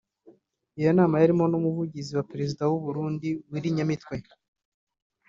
iyo nama yarimo n’umuvugizi wa Perezida w’u Burundi Willy Nyamitwe